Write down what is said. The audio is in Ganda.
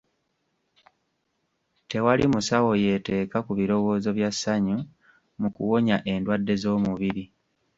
Tewali musawo yeeteeka ku birowoozo bya ssanyu mu kuwonya endwadde z'omubiri.